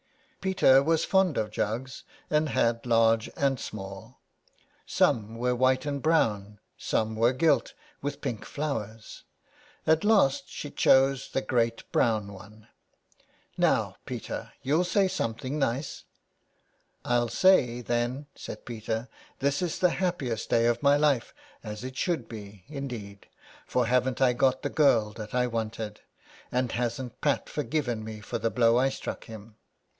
Peter was fond of jugs, and had large and small ; some were white and brown, and some were gilt, with pink flowers. At last she chose the great brown one. " Now, Peter, you'll say something nice.'' ''I'll say, then," said Peter, "this is the happiest day of my life, as it should be, indeed ; for haven't I got the girl that I wanted, and hasn't Pat forgiven me for the blow I struck him